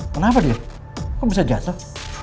kenapa dia kok bisa jatuh